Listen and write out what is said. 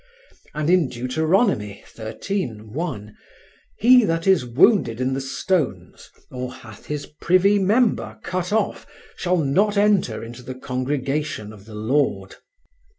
And in Deuteronomy (xxiii, 1), "He that is wounded in the stones, or hath his privy member cut off, shall not enter into the congregation of the Lord."